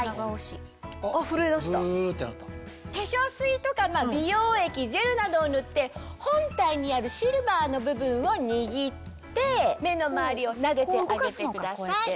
化粧水とか美容液ジェルなどを塗って本体にあるシルバーの部分を握って目の周りをなでてあげてください。